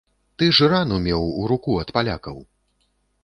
Ты ж рану меў у руку ад палякаў!